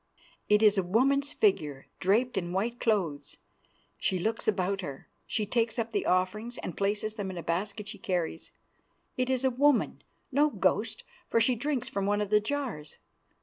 "It is a woman's figure draped in white cloths; she looks about her; she takes up the offerings and places them in a basket she carries. It is a woman no ghost for she drinks from one of the jars.